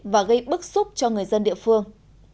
và gây bức xúc cho người dân địa phương